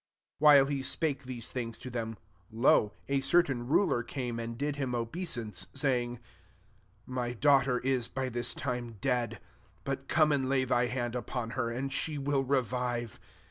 18 While he spake these things to them, lo, a certain ruler came and did him obei sance, saying, *« My daughter is by this time dead : but come and lay thy hand upon her, an4 she will revive.